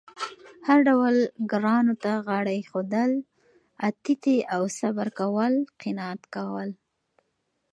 هر ډول ګرانو ته غاړه اېښودل، اتیتې او صبر کول، قناعت کول